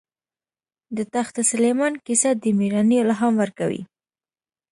د تخت سلیمان کیسه د مېړانې الهام ورکوي.